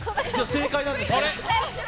正解なんですね？